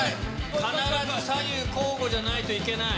必ず左右交互じゃなきゃいけない。